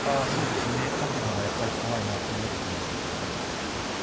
あそうですね。縦のがやっぱり怖いなと思ってましたけど。